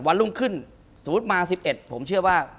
วันรุ่งขึ้นสมมุติมา๑๑ผมเชื่อว่า